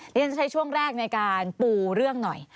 ฉันจะใช้ช่วงแรกในการปูเรื่องหน่อย